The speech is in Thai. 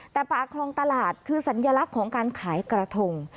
แต่ปากคลองตลาดคือสัญลักษณ์ของการขายกระทง